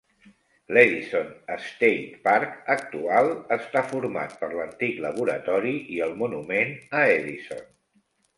L'Edison State Park actual està format per l'antic laboratori i el monument a Edison.